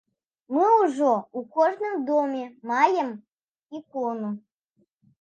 Мы ўжо ў кожным доме маем ікону.